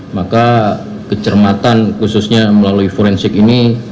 maka kecermatan khususnya melalui forensik ini